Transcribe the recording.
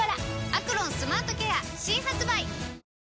「アクロンスマートケア」新発売！